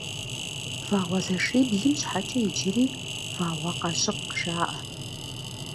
Вагъуэзэшиблым щхьэкӏэ иджыри Вагъуэкъащыкъ жаӏэ.